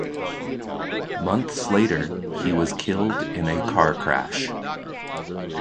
Months later, he was killed in a car crash.